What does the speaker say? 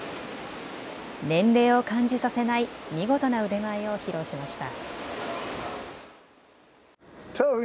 年齢を感じさせない見事な腕前を披露しました。